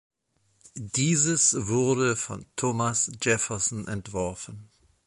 Dieses wurde von Thomas Jefferson entworfen.